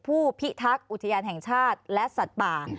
ผู้พิทักษ์อุทยานแห่งชาติและสัตว์ป่า